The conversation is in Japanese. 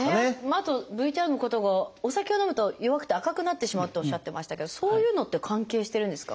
あとＶＴＲの方がお酒を飲むと弱くて赤くなってしまうとおっしゃってましたけどそういうのって関係してるんですか？